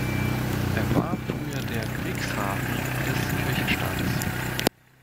Er war früher der Kriegshafen des Kirchenstaates.